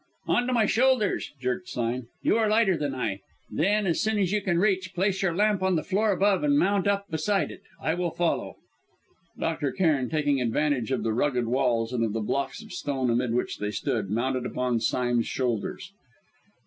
"On to my shoulders," jerked Sime. "You are lighter than I. Then, as soon as you can reach, place your lamp on the floor above and mount up beside it. I will follow." Dr. Cairn, taking advantage of the rugged walls, and of the blocks of stone amid which they stood, mounted upon Sime's shoulders.